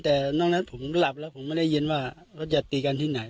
แต่นอกนั้นผมหลับแล้วผมไม่ได้ยินว่ารถจะตีกันที่ไหน